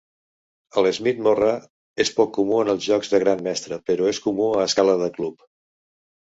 El Smith-Morra és poc comú en els jocs de gran mestre, però és comú a escala de club.